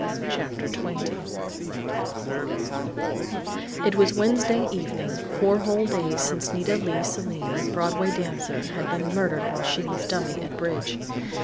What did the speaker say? CHAPTER TWENTY It was Wednesday evening, four whole days since Nita Leigh Selim, Broadway dancer, had been murdered while she was dummy at bridge.